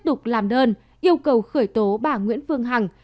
tục làm đơn yêu cầu khởi tố bà nguyễn phương hằng